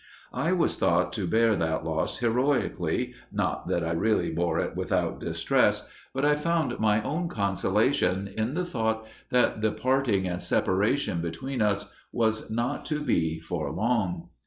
I was thought to bear that loss heroically, not that I really bore it without distress, but I found my own consolation in the thought that the parting and separation between us was not to be for long.